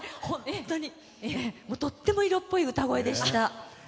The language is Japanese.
本当に、とっても色っぽい歌声でした。